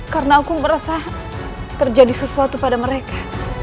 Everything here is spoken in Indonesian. karena aku merasa terjadi sesuatu pada mereka